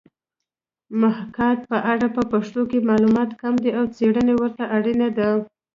محاکات په اړه په پښتو کې معلومات کم دي او څېړنه ورته اړینه ده